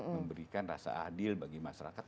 memberikan rasa adil bagi masyarakat